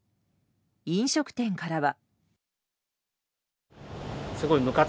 飲食店からは。